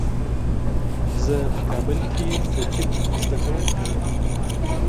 زه په کابل کې د طب زده کوونکی یم.